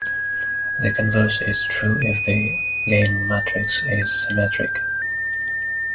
The converse is true if the game matrix is symmetric.